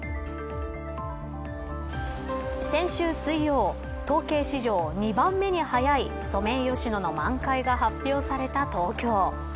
先週水曜統計史上２番目に早いソメイヨシノの満開が発表された東京。